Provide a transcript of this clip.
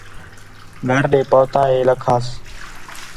گھر ݙے پُہتا ہے لَکھاس